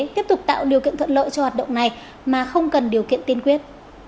tiếp tục tạo điều kiện thuận lợi cho hoạt động này mà không cần điều kiện tiên quyết